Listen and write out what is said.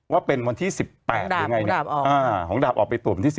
ว่าเป็นวันที่๑๘หรือไงของดาบออกไปตรวจวันที่๒